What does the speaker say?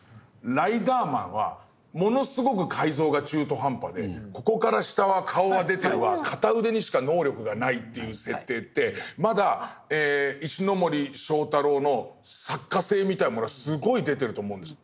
ライダーマンはものすごく改造が中途半端でここから下は顔は出てるわ片腕にしか能力がないっていう設定ってまだ石森章太郎の作家性みたいなものがすごい出てると思うんですね。